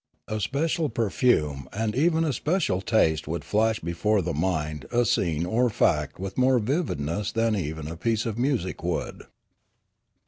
A special perfume and even a special taste would flash before the mind a scene or fact with more vividness than even a piece of music would.